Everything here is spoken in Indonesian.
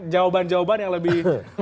jawaban jawaban yang lebih